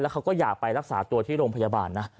เขาก็อยากไปรักษาตัวที่โรงพยาบาลนะ